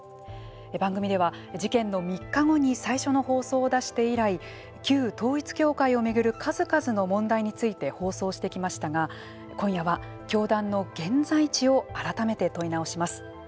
番組では、事件の３日後に最初の放送を出して以来旧統一教会を巡る数々の問題について放送してきましたが今夜は、教団の現在地を改めて問い直します。